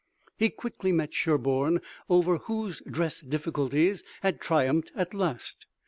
He quickly met Sherburne over whose dress difficulties had triumphed at last.